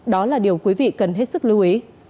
đó là điều quý vị cần hết sức lưu ý